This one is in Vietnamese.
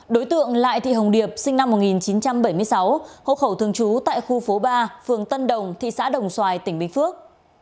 đối tượng lại thị hồng điệp sinh năm một nghìn chín trăm bảy mươi sáu hộ khẩu thường trú tại khu phố ba phường tân đồng thị xã đồng xoài tỉnh bình phước